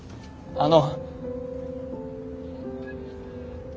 あの。